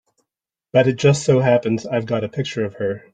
But it just so happens I've got a picture of her.